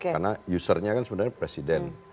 karena usernya kan sebenarnya presiden